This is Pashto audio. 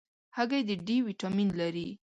هګۍ د D ویټامین لري.